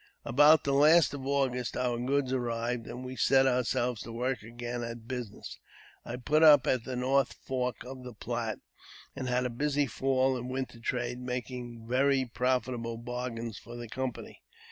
About the last of August our goods arrived, and we set ourselves to work again at business. I put up at the North Fork of the Platte, and had a busy fall and winter trade, making many very profitable bargains for the company.